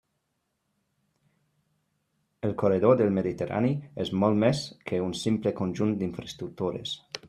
El corredor del Mediterrani és molt més que un simple conjunt d'infraestructures.